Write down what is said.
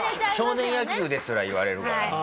少年野球ですら言われるから。